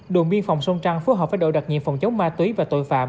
đồn biên phòng sông trăng phối hợp với đội đặc nhiệm phòng chống ma túy và tội phạm